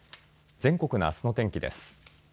全国のあすの天気です。